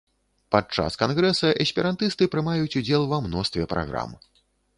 Падчас кангрэса эсперантысты прымаюць удзел ва мностве праграм.